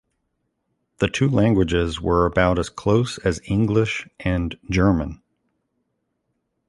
The two languages were about as close as English and German.